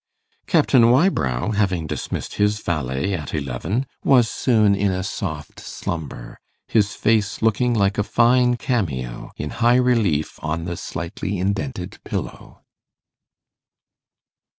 Captain Wybrow, having dismissed his valet at eleven, was soon in a soft slumber, his face looking like a fine cameo in high relief on the slightly indented pillow.